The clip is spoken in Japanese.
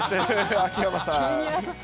秋山さん。